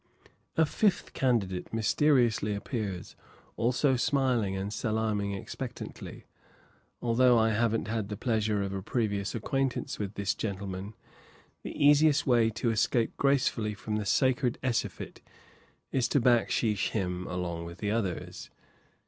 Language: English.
a fifth candidate mysteriously appears, also smiling and salaaming expectantly. Although I haven't had the pleasure of a previous acquaintance with this gentleman, the easiest way to escape gracefully from the sacred edifice is to backsheesh him along with the others.